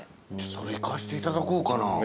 じゃあそれいかせていただこうかな。